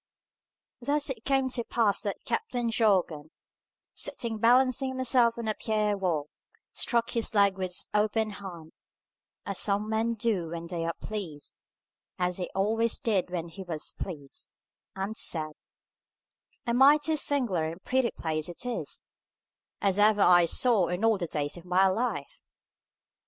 Thus it came to pass that Captain Jorgan, sitting balancing himself on the pier wall, struck his leg with his open hand, as some men do when they are pleased and as he always did when he was pleased and said, "A mighty sing'lar and pretty place it is, as ever I saw in all the days of my life!"